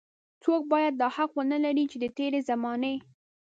څوک بايد دا حق ونه لري چې د تېرې زمانې.